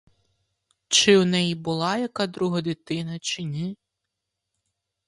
Чи в неї була яка друга дитина, чи ні?